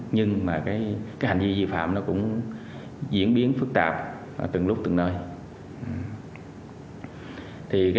nhưng hành vi dị phạm cũng diễn biến phức tạp từng lúc từng nơi